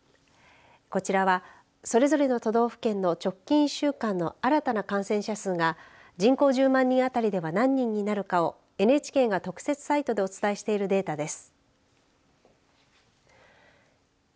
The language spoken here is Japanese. こちらは、それぞれの都道府県の直近１週間の新たな感染者数が人口１０万人当たりでは何人になるかをＮＨＫが特設サイトでお伝えしているデータです。